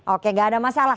oke enggak ada masalah